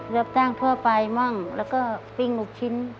เรียบแท่งเพื่อไปมั่งแล้วก็ปิ้งลูกชิ้น